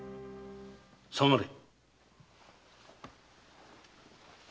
下がれ。